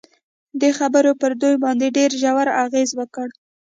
دې خبرو پر دوی باندې ډېر ژور اغېز وکړ